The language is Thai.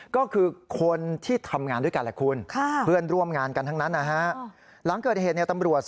ก็คือคนที่ทำงานด้วยกันแหละคุณ